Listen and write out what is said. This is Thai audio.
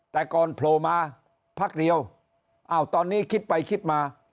แต่ก่อนโผล่มาพักเดียวอ้าวตอนนี้คิดไปคิดมา